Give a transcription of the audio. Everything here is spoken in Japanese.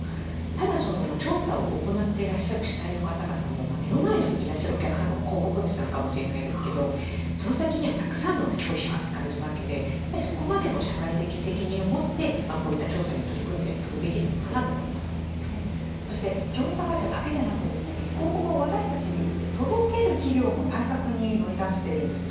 ただ、調査を行ってらっしゃる主体の方々も目の前にいらっしゃるお客様は広告主さんかもしれないですけどその先にはたくさんの消費者がいるわけでそこまでの社会的責任を持ってこういった調査に取り組んでいくそして調査会社だけでなく広告を私たちに届ける企業も対策に乗り出しているんです。